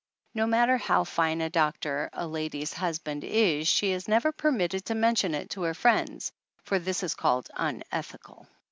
No matter how fine a doctor a lady's husband is she is never permitted to mention it to her friends, for this is called "unethical."